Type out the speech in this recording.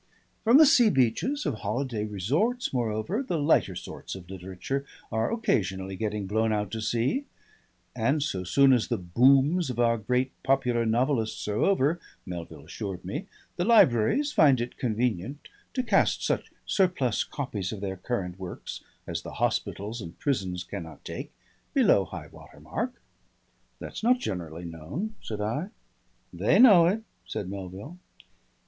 From the sea beaches of holiday resorts, moreover, the lighter sorts of literature are occasionally getting blown out to sea. And so soon as the Booms of our great Popular Novelists are over, Melville assured me, the libraries find it convenient to cast such surplus copies of their current works as the hospitals and prisons cannot take, below high water mark. "That's not generally known," said I. "They know it," said Melville.